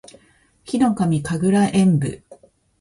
ヒノカミ神楽円舞（ひのかみかぐらえんぶ）